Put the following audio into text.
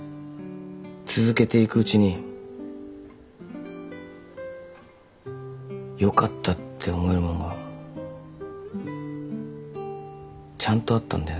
続けていくうちによかったって思えるもんがちゃんとあったんだよね。